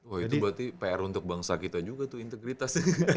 oh itu berarti pr untuk bangsa kita juga tuh integritas